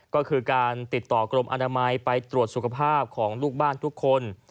ก็คือการติดต่อกรมอนามัยไปตรวจสุขภาพของลูกบ้านทุกคน